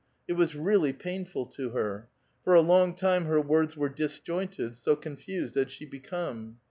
It was really painful to her. For a long time her words were disjointed, so confused had she become.